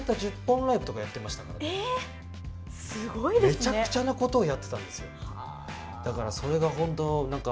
めちゃくちゃなことをやってたんですよ。